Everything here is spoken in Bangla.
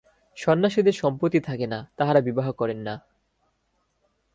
সন্ন্যাসীদের সম্পত্তি থাকে না, তাঁহারা বিবাহ করেন না।